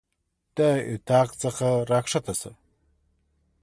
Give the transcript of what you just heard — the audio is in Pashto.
د اطاق څخه راکښته سه.